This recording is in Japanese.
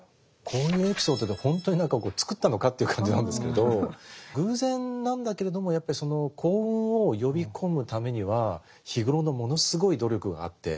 こういうエピソードって本当に何かこう作ったのかっていう感じなんですけど偶然なんだけれどもやっぱりその幸運を呼び込むためには日頃のものすごい努力があって。